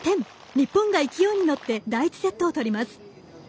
日本が勢いに乗って第１セットをとります。